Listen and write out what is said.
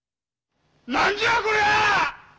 何じゃこりゃあ！